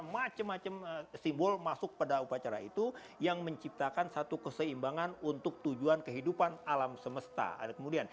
macam macam simbol masuk pada upacara itu yang menciptakan satu keseimbangan untuk tujuan kehidupan alam semesta